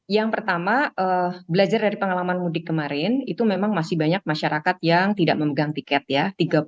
yang pertama belajar dari pengalaman mudik kemarin itu memang masih banyak masyarakat yang tidak memegang tiket ya